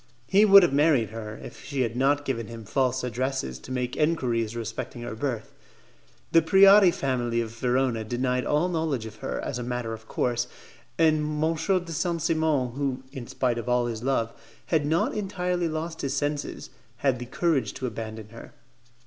He would have married her if she had not given him false addresses to make enquiries respecting her birth. The Preati family of Verona denied all knowledge of her, as a matter of course, and M. de Saint Simon, who, in spite of all his love, had not entirely lost his senses, had the courage to abandon her.